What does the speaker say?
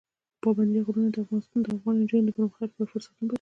پابندی غرونه د افغان نجونو د پرمختګ لپاره فرصتونه برابروي.